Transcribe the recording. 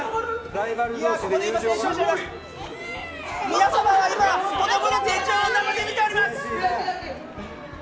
皆様は今子供の成長を生で見ております！